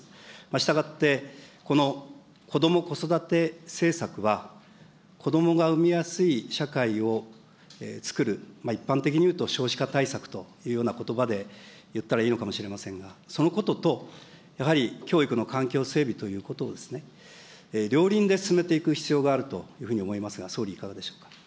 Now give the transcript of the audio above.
したがって、このこども・子育て政策は、子どもが産みやすい社会をつくる、一般的に言うと、少子化対策というようなことばで言ったらいいのかもしれませんが、そのことと、やはり教育の環境整備ということを両輪で進めていく必要があるというふうに思いますが、総理、いかがでしょうか。